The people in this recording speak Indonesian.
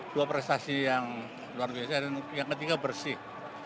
dua prestasi yang luar biasa dan yang ketiga bersih